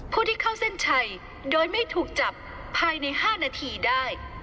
ผู้ที่เข้าเส้นชัยโดยไม่ถูกจับภายใน๕นาทีได้